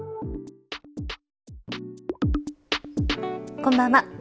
こんばんは。